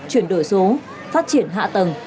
chuyển đổi số phát triển hạ tầng